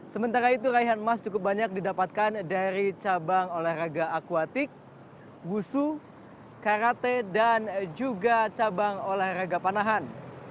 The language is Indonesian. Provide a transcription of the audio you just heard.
sementara itu raihan emas cukup banyak didapatkan dari cabang olahraga akuatik gusu karate dan juga cabang olahraga panahan